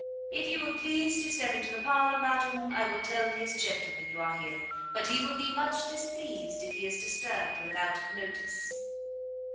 "If you will please to step into the parlour, madam, I will tell his gentleman you are here; but he will be much displeased if he is disturbed without notice."